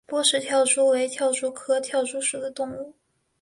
波氏跳蛛为跳蛛科跳蛛属的动物。